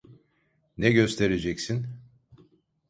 Ne göstereceksin?